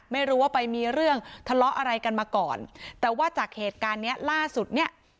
ไม่รู้ว่าไปมีเรื่องทะเลาะอะไรกันมาก่อนแต่ว่าจากเหตุการณ์เนี้ยล่าสุดเนี้ย